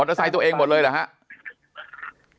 เตอร์ไซค์ตัวเองหมดเลยเหรอครับ